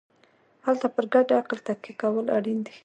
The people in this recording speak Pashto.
هلته پر ګډ عقل تکیه کول اړین دي.